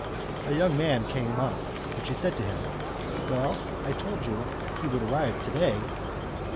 A young man came up, and she said to him, "Well, I told you he would arrive to day?"